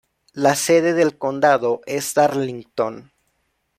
La sede del condado es Darlington.